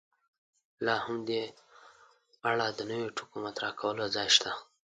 لا هم په دې اړه د نویو ټکو مطرح کولو ځای شته.